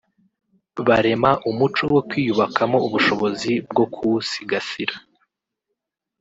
barema umuco wo kwiyubakamo ubushobozi bwo kuwusigasira